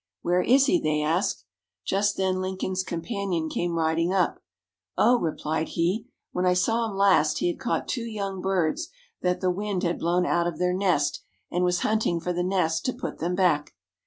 "Where is he?" they asked. Just then Lincoln's companion came riding up. "Oh," replied he, "when I saw him last, he had caught two young birds that the wind had blown out of their nest, and was hunting for the nest to put them back."